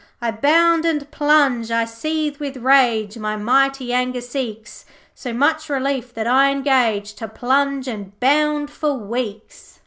'I bound and plunge, I seethe with rage, My mighty anger seeks So much relief that I engage To plunge and bound for weeks.'